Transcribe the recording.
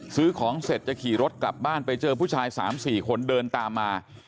ซื้อของเสร็จจะขี่รถกลับบ้านไปเจอผู้ชาย๓๔คนเดินตามมา